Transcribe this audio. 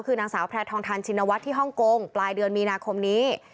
คือนางสาวแพทองทานชินวัฒน์ที่ฮ่องกงปลายเดือนมีนาคมนี้